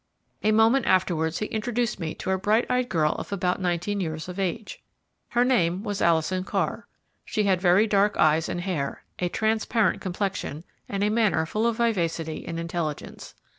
A moment afterwards he introduced me to a bright eyed girl of about nineteen years of age. Her name was Alison Carr. She had very dark eyes and hair, a transparent complexion and a manner full of vivacity and intelligence.